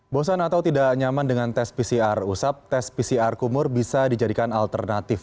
bosan atau tidak nyaman dengan tes pcr usap tes pcr kumur bisa dijadikan alternatif